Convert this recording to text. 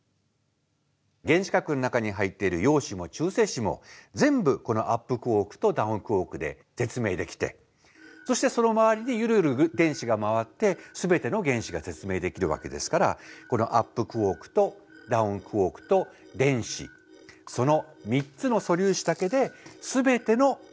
原子核の中に入っている陽子も中性子も全部このアップクォークとダウンクォークで説明できてそしてその周りでゆるゆる電子が回ってすべての原子が説明できるわけですからこのアップクォークとダウンクォークと電子その３つの素粒子だけですべてのものが説明できるんだ。